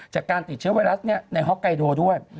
จากการติดเชื้อไวรัสในฮอกไกโดด้วย